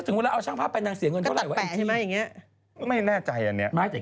ไม๊ถึงเวลาเอาช้างภาพไปนางเสียเงินเท่าไรไว้